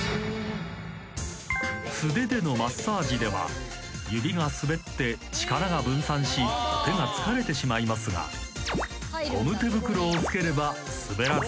［素手でのマッサージでは指が滑って力が分散し手が疲れてしまいますがゴム手袋を着ければ滑らず力が集中］